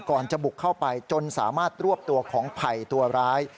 จะบุกเข้าไปจนสามารถรวบตัวของไผ่ตัวร้าย